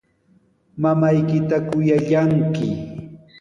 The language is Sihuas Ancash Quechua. Mamaykita kuyallanki.